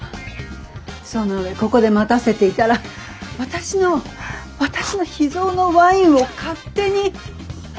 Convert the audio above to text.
その上ここで待たせていたら私の私の秘蔵のワインを勝手に。